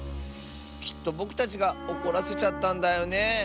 きっとぼくたちがおこらせちゃったんだよね。